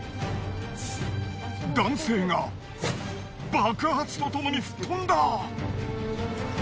爆発とともに吹っ飛んだ！